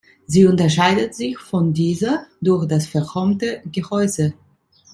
Sie unterscheidet sich von dieser durch das verchromte Gehäuse.